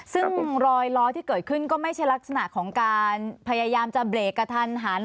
ซึ่งรอยล้อที่เกิดขึ้นก็ไม่ใช่ลักษณะของการพยายามจะเบรกกระทันหัน